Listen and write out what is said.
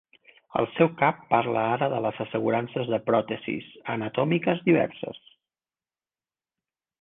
El seu cap parla ara de les assegurances de pròtesis anatòmiques diverses.